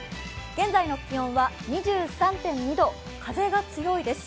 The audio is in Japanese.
現在の気温は２３．２度、風が強いです。